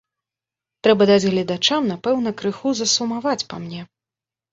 Трэба даць гледачам, напэўна, крыху засумаваць па мне.